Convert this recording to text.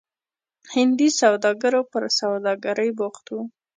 هندي سوداګرو پر سوداګرۍ بوخت وو.